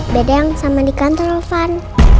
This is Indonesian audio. beda yang sama di kantor relevan